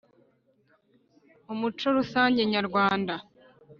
umuco rusange nyarwanda